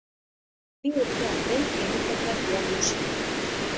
Bi urtean behin egiten da diagnosia.